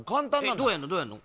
えっどうやんのどうやんの？